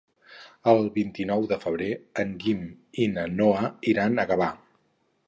El vint-i-nou de febrer en Guim i na Noa iran a Gavà.